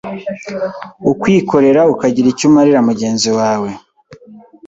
ukwikorera ukagira icyo umarira mugenzi wawe